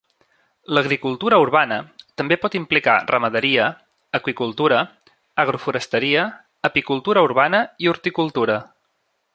L'agricultura urbana també pot implicar ramaderia, aqüicultura, agroforesteria, apicultura urbana i horticultura.